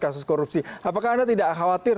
kasus korupsi apakah anda tidak khawatir